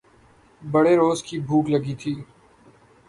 بڑے زورکی بھوک لگی تھی۔